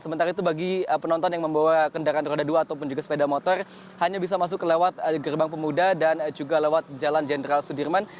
sementara itu bagi penonton yang membawa kendaraan roda dua ataupun juga sepeda motor hanya bisa masuk ke lewat gerbang pemuda dan juga lewat jalan jenderal sudirman